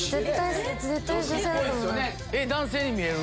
男性に見える？